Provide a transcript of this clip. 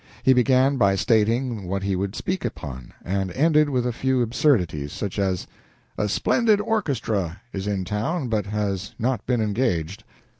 He began by stating what he would speak upon, and ended with a few absurdities, such as: A SPLENDID ORCHESTRA is in town, but has not been engaged.